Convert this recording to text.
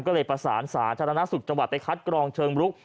ก็เลยประสานสาธารณสุขจังหวัดไปคัดกรองเชิงรุก